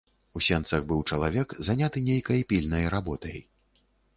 У сенцах быў чалавек, заняты нейкай пільнай работай.